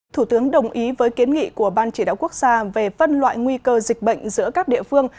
thủ tướng đồng ý với kiến nghị của ban chỉ đạo quốc gia về phân loại nguy cơ dịch bệnh giữa các địa phương